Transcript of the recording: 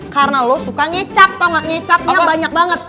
karena lo suka ngecap tau gak ngecapnya banyak banget